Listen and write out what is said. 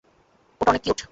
ওটা অনেক কিউট!